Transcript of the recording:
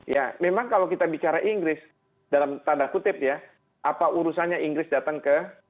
ya memang kalau kita bicara inggris dalam tanda kutip ya apa urusannya inggris datang ke kawasan di indo pasifik